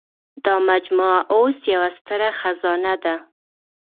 دا مجموعه اوس یوه ستره خزانه ده.